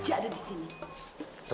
saya disini lihat